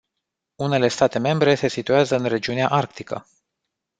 Unele state membre se situează în regiunea arctică.